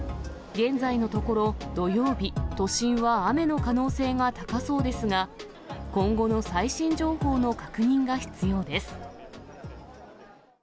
現在のところ、土曜日、都心は雨の可能性が高そうですが、今後の最新情報の確認が必要です。